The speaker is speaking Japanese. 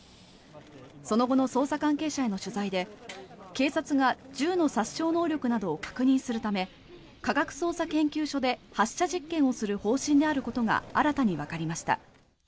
その後の捜査関係者への取材で警察が銃の殺傷能力などを確認するため科学捜査研究所で発射実験をする方針であることが新たにわかりました。